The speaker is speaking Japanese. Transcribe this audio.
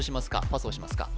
パスをしますか？